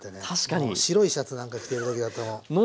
もう白いシャツなんか着てる時だともう。